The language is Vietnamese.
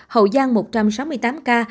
hậu giang một trăm sáu mươi tám ca